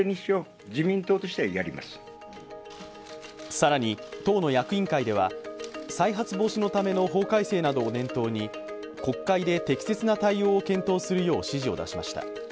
更に党の役員会では再発防止のための法改正などを念頭に国会で適切な対応を検討するよう指示を出しました。